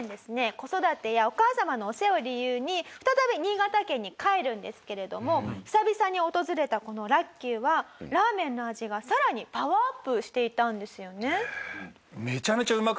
子育てやお母様のお世話を理由に再び新潟県に帰るんですけども久々に訪れたこの楽久はラーメンの味がさらにパワーアップしていたんですよね？